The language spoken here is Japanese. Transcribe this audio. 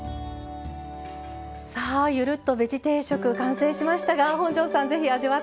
さあゆるっとベジ定食完成しましたが本上さんぜひ味わって下さい。